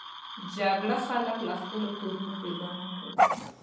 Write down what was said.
جګړه خلک له خپلو کورونو بېګانه کوي